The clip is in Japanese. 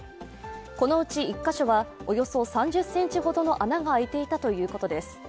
このうち１カ所はおよそ３０ｃｍほどの穴が開いていたということです。